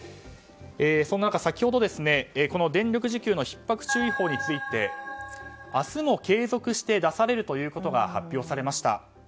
そんな中、先ほど電力需給のひっ迫注意報について明日も継続して出されるということが発表されました。